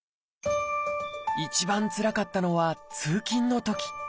一番つらかったのは通勤のとき。